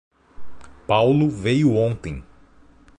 Paulo veio ontem.